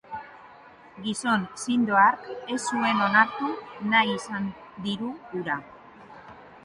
Gizon zindo hark ez zuen onartu nahi izan diru hura.